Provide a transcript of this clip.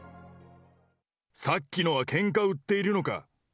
さっきのはけんか売っているのか。